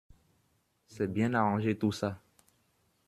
C’est bien arrangé, tout ça…